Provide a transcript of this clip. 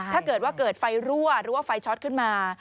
ถ้าเกิดว่าเกิดไฟรั่วหรือว่าไฟช็อตขึ้นมา